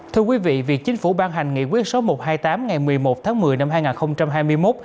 thưa quý vị việc chính phủ ban hành nghị quyết số một trăm hai mươi tám ngày một mươi một tháng một mươi năm hai nghìn hai mươi một